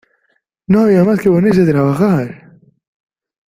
No había más que ponerse a trabajar.